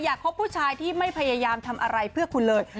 คบผู้ชายที่ไม่พยายามทำอะไรเพื่อคุณเลย